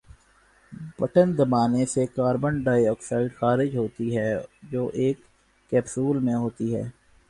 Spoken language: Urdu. بٹن دبانے سے کاربن ڈائی آکسائیڈ خارج ہوتی ہے جو ایک کیپسول میں ہوتی ہے۔